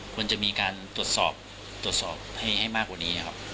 ควรจะมีการตรวจสอบตรวจสอบให้มากกว่านี้นะครับ